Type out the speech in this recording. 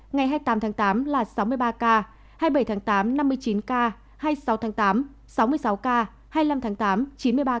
ngày hai mươi tám tháng tám là sáu mươi ba ca hai mươi bảy tháng tám năm mươi chín ca hai mươi sáu tháng tám sáu mươi sáu ca hai mươi năm tháng tám chín mươi ba